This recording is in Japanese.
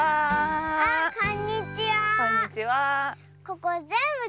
ここぜんぶ